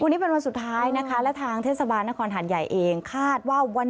ขอบคุณธนรัฐด้วยนะคะอย่างที่บอกไปที่หาดใหญ่สงขาเนี่ย